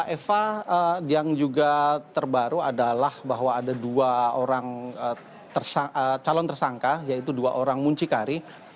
eva yang juga terbaru adalah bahwa ada dua orang calon tersangka yaitu dua orang muncikari